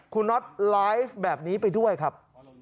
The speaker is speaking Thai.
คุณน็อตไลฟ์แบบนี้ไปด้วยครับ